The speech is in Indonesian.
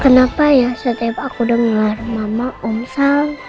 kenapa ya setiap aku dengar mama umsal